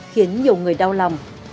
khiến nhiều người đau lòng